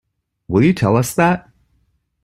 Will you tell us that?